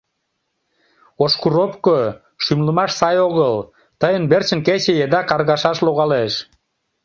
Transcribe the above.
Ошкуровко, шӱмлымаш сай огыл, тыйын верчын кече еда каргашаш логалеш.